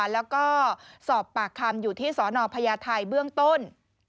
แล้วก็สอบปากคำอยู่ที่สนพญาไทยเบื้องต้น